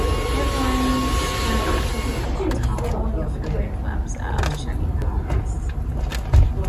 Everyone's gonna be talking about how all your favorite verbs are actually nouns.